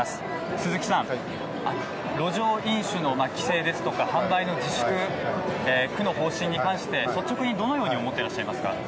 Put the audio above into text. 鈴木さん、路上飲酒の規制ですとか販売の自粛、区の方針に関して率直にどのように思っていらっしゃいますか。